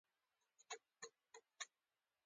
وژنه د مظلوم د زړه چیغه ده